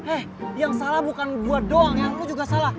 eh yang salah bukan gue doang yang lu juga salah